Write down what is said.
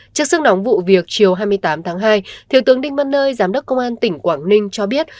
trước sức nóng vụ việc chiều hai mươi tám tháng hai thiều tướng đinh mân lơi giám đốc công an tỉnh quảng ninh cho biết